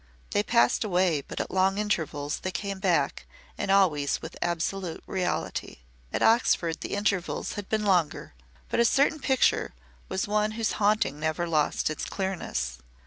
They passed away, but at long intervals they came back and always with absolute reality. At Oxford the intervals had been longer but a certain picture was one whose haunting never lost its clearness.